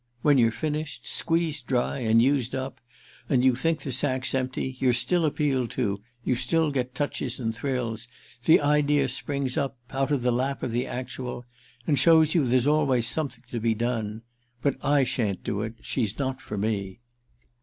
"When you're finished, squeezed dry and used up and you think the sack's empty, you're still appealed to, you still get touches and thrills, the idea springs up—out of the lap of the actual—and shows you there's always something to be done. But I shan't do it—she's not for me!"